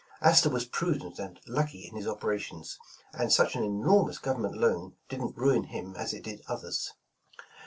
''Astor was prudent and lucky in his operations, and such an enormous government loan didn't ruin him as it did others."